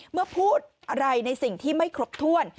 เมื่อพูดอะไรในสิ่งที่ไม่ครบถ้วน